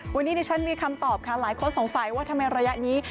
วันนี้ดิฉันมีคำตอบค่ะหลายคนสงสัยว่าทำไมระยะนี้